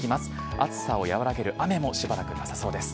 暑さを和らげる雨もしばらくなさそうです。